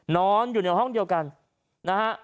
นอนอยู่ในห้องเดียวกันนะฮะ